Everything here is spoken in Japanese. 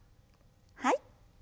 はい。